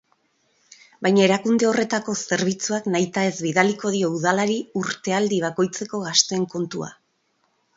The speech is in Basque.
Baina erakunde horretako zerbitzuak nahitaez bidaliko dio Udalari urtealdi bakoitzeko gastuen kontua.